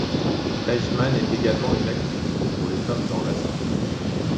Teichmann est également une activiste pour les femmes dans la science.